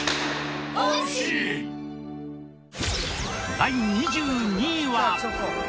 第２２位は。